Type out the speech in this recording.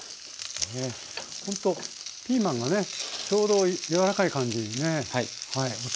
ほんとピーマンがねちょうどやわらかい感じにね。